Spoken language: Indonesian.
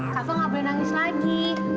kak fah nggak boleh nangis lagi